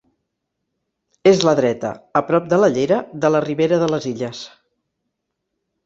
És la dreta, a prop de la llera, de la Ribera de les Illes.